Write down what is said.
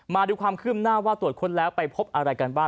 มาดูความคืบหน้าว่าตรวจค้นแล้วไปพบอะไรกันบ้าง